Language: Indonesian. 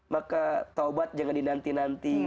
maka taubat jangan dinanti nanti